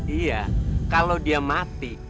iya kalau dia mati